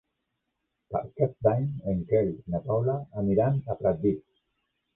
Per Cap d'Any en Quel i na Paula aniran a Pratdip.